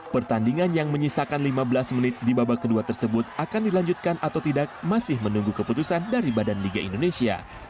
pertandingan yang menyisakan lima belas menit di babak kedua tersebut akan dilanjutkan atau tidak masih menunggu keputusan dari badan liga indonesia